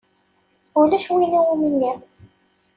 Ulac win i wumi nniɣ.